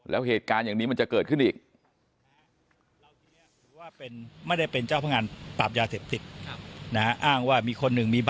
แล้วเหตุการณ์อย่างนี้มันจะเกิดขึ้นอีก